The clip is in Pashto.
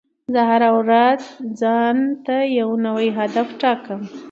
زه هره ورځ ځان ته یو نوی هدف ټاکم.